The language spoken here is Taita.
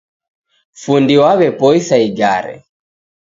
Fundi waw'epoisa igare